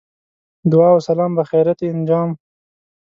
دعا و سلام بخیریت انجام.